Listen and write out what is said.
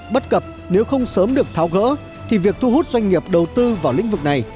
bất cập nếu không sớm được tháo gỡ thì việc thu hút doanh nghiệp đầu tư vào lĩnh vực này